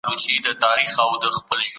ایا د نفوس وده اقتصاد اغیزمنوي؟